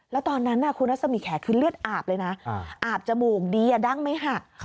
แล้วตอนนั้นคุณรัศมีแขกคือเลือดอาบเลยนะอาบจมูกดีดั้งไม่หัก